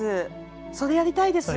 それやりたいです。